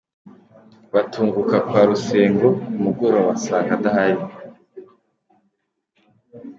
Batunguka kwa Rusengo ku mugoroba basanga adahari.